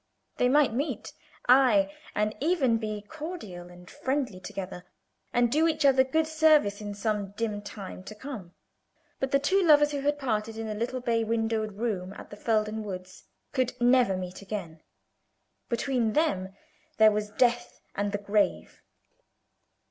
They might meet, ay, and even be cordial and friendly together, and do each other good service in some dim time to come; but the two lovers who had parted in the little bay windowed room at Felden Woods could never meet again. Between them there was death and the grave.